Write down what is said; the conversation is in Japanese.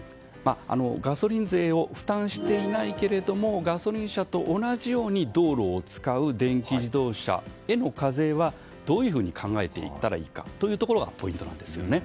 ガソリン税を負担していないけれどもガソリン車と同じように道路を使う電気自動車への課税はどういうふうに考えていったらいいかということがポイントなんです。